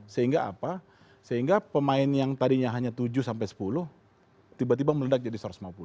sehingga apa sehingga pemain yang tadinya hanya tujuh sampai sepuluh tiba tiba meledak jadi satu ratus lima puluh